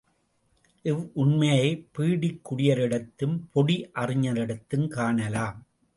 இவ் உண்மையைப் பீடிக் குடியரிடத்தும் பொடி அறிஞரிடத்துங் காணலாம்.